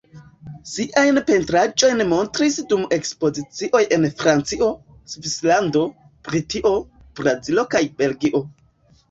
Siajn pentraĵojn montris dum ekspozicioj en Francio, Svislando, Britio, Brazilo kaj Belgio.